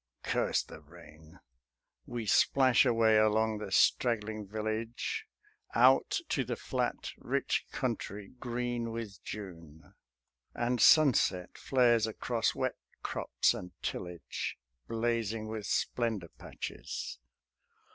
_" (Curse the rain.) We splash away along the straggling village, Out to the flat rich country green with June ... And sunset flares across wet crops and tillage, Blazing with splendour patches.